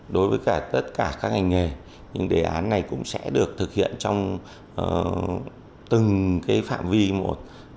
đối với tất cả các ngành nghề đề án này cũng sẽ được thực hiện trong từng phạm vi một để tiến tới hoàn chỉnh hơn